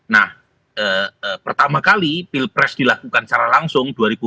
nah pertama kali pil pres dilakukan secara langsung